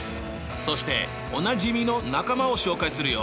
そしておなじみの仲間を紹介するよ。